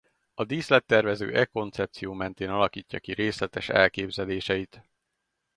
A díszlettervező e koncepció mentén alakítja ki részletes elképzeléseit.